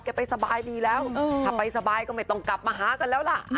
ไปสบายดีแล้วถ้าไปสบายก็ไม่ต้องกลับมาหากันแล้วล่ะ